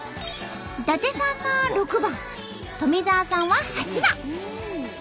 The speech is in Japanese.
伊達さんが６番富澤さんは８番。